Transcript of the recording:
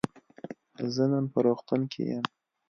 زه نن په روغتون کی یم.